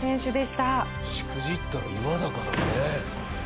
しくじったら岩だからね。